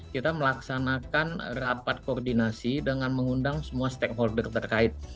kita melaksanakan rapat koordinasi dengan mengundang semua stakeholder terkait